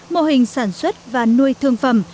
mô hình sản xuất và nuôi thương phẩm